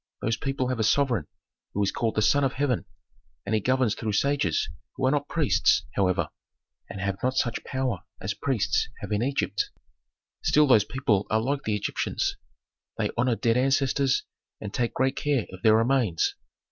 Those people have a sovereign who is called the Son of Heaven, and he governs through sages, who are not priests, however, and have not such power as priests have in Egypt. Still those people are like the Egyptians. They honor dead ancestors and take great care of their remains.